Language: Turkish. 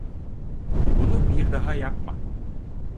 Bunu bir daha yapma.